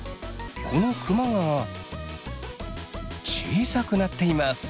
このクマが小さくなっています。